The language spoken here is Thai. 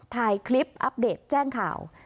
ถ่ายคลิปอัปเดตแจ้งข่าว